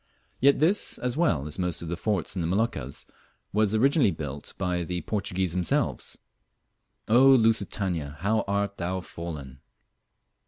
Yet this, as well as most of the forts in the Moluccas, was originally built by the Portuguese themselves. Oh! Lusitania, how art thou fallen!